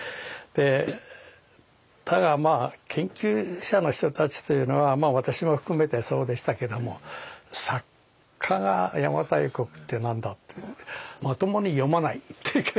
ただまあ研究者の人たちというのは私も含めてそうでしたけども作家が邪馬台国って何だっていうのでまともに読まない。